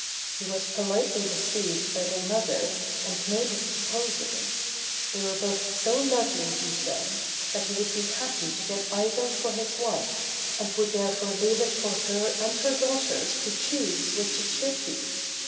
He was politely received by their mother, and made his proposal. They were both so lovely, he said, that he would be happy to get either for his wife, and would therefore leave it for her and her daughters to choose which it should be.